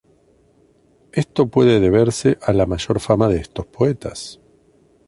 Esto puede deberse a la mayor fama de estos poetas.